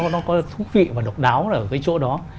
nó có thú vị và độc đáo ở cái chỗ đó